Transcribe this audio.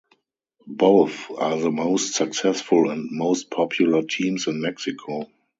Both are the most successful and most popular teams in Mexico.